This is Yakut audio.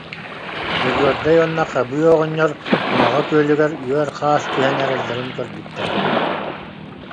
Дьөгүөрдэй уонна Хабыы оҕонньор Улаҕа күөлүгэр үөр хаас түһэн эрэллэрин көрбүттэрэ